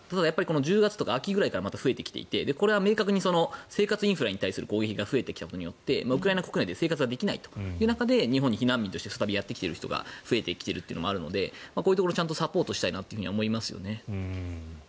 １０月とか秋ぐらいからまた増えてきていて生活インフラに対する攻撃が増えてきたことでウクライナ国内で生活できないという中で日本に避難民としてやってきている人が増えてきているというのもあるのでこういうところちゃんとサポートしたいとは思いますよね。